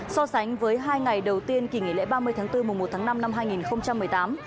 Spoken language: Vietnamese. so sánh với hai ngày đầu tiên kỳ nghỉ lễ ba mươi tháng bốn mùa một tháng năm năm hai nghìn một mươi tám